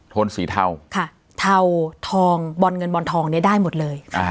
โทนสีเทาค่ะเทาทองบอนเงินบอนทองได้หมดเลย